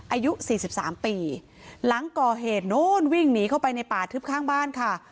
อายุสี่สิบสามปีหลังก่อเหตุโน้นวิ่งหนีเข้าไปในป่าทึบข้างบ้านค่ะ